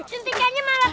suntikannya malah kaget